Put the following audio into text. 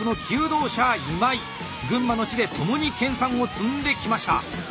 群馬の地で共に研さんを積んできました。